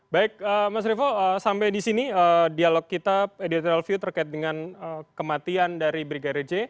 baik mas revo sampai di sini dialog kita editorial view terkait dengan kematian dari brigadir j